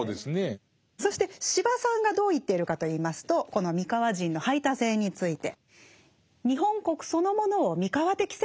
そして司馬さんがどう言っているかといいますとこの三河人の排他性について。